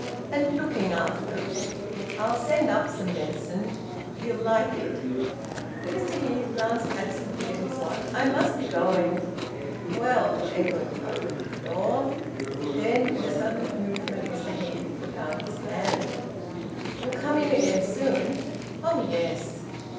And looking after. I'll send up some medicine. He'll like it." Mr Heve glanced absently at his watch. "I must be going." "Well " Edwin opened the door. Then with a sudden movement Mr Heve put out his hand. "You'll come in again soon?" "Oh yes."